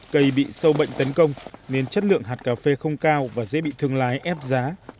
cây bị sâu bệnh tấn công nên chất lượng hạt cà phê không cao và dễ bị thương lái ép giá